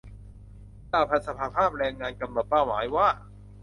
สหพันธ์สหภาพแรงงาน กำหนดเป้าหมายว่า